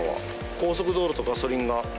高速道路とガソリンが。